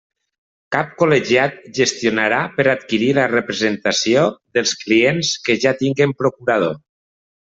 Cap col·legiat gestionarà per adquirir la representació dels clients que ja tinguen procurador.